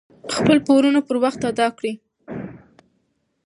خپل پورونه پر وخت ادا کړئ.